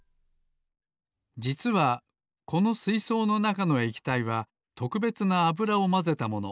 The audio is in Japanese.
じつはこのすいそうのなかのえきたいはとくべつなあぶらをまぜたもの。